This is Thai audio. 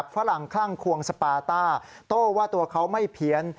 ฝรั่งคลั่งควงสปาต้าโต้ว่าตัวเขาไม่เพี้ยน